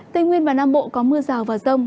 tây nguyên và nam bộ có mưa rào và rông